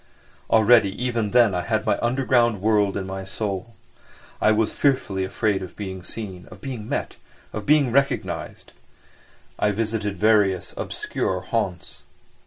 Already even then I had my underground world in my soul. I was fearfully afraid of being seen, of being met, of being recognised. I visited various obscure haunts.